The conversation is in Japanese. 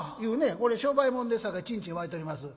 これ商売物ですさかいちんちん沸いております」。